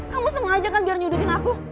kamu sengaja kan biar nyudutin aku